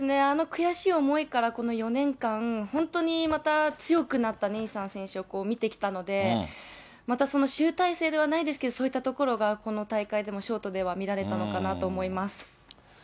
あの悔しい思いからこの４年間、本当にまた強くなったネイサン選手を見てきたので、またその集大成ではないですけど、そういったところがこの大会でも、このショートでは見られたのかなと思います。